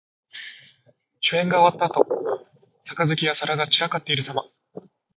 酒宴が終わったあと、杯や皿が散らかっているさま。